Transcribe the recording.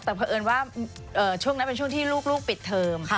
แต่เพราะเอิญว่าช่วงนั้นเป็นช่วงที่ลูกปิดเทอม